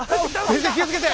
先生気をつけて！